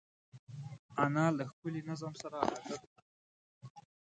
انا له ښکلي نظم سره عادت ده